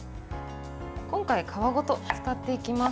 今回、皮ごと使っていきます。